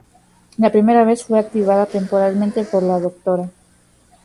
La primera vez fue activada temporalmente por la Dra.